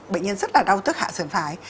bệnh nhân rất là đau tức hạ sườn phải